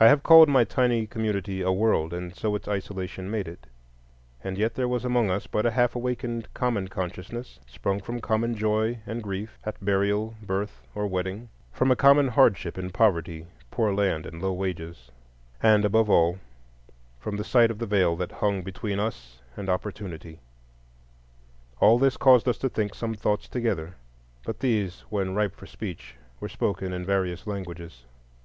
I have called my tiny community a world, and so its isolation made it; and yet there was among us but a half awakened common consciousness, sprung from common joy and grief, at burial, birth, or wedding; from a common hardship in poverty, poor land, and low wages; and, above all, from the sight of the Veil that hung between us and Opportunity. All this caused us to think some thoughts together; but these, when ripe for speech, were spoken in various languages.